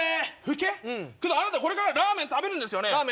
けどあなたこれからラーメン食べるんですよね？